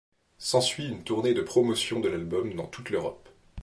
S'ensuit une tournée de promotion de l'album dans toute l'Europe.